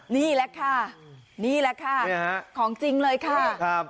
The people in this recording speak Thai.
นี่แหละค่ะนี่แหละค่ะของจริงเลยค่ะ